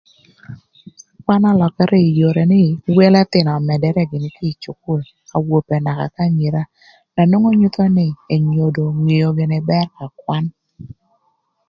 Kwan ölökërë ï yore nï wel ëthïnö ömëdërë gïnï ï cukul awope naka k'anyira na nwongo nyutho nï enyodo ngeo gïnï bër ka kwan.